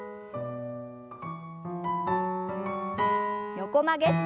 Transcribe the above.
横曲げ。